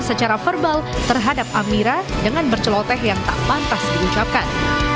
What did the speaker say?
secara verbal terhadap amira dengan berceloteh yang tak pantas diucapkan